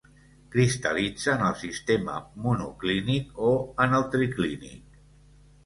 Cristal·litza en el sistema monoclínic o en el triclínic.